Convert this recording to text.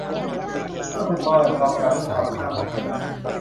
เธอถูกเตือนความจำเรื่องความผิดพลาดของเธอ